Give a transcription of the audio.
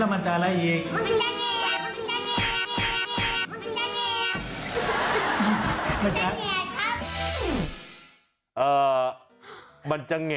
มันจะแงบ